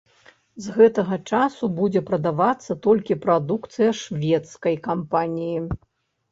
З гэтага часу будзе прадавацца толькі прадукцыя шведскай кампаніі.